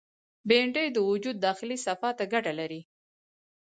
بېنډۍ د وجود داخلي صفا ته ګټه لري